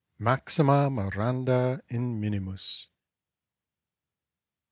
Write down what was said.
_Maxime miranda in minimus!